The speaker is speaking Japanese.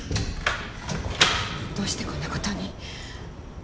どうしてこんな事に？